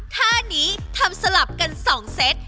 ท่านี้ทำสลับกัน๒เซต